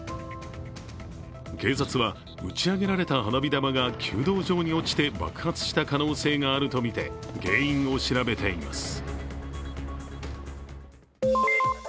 警察は、打ち上げられた花火玉が弓道場に落ちて爆発した可能性があるとみて原因を調べています。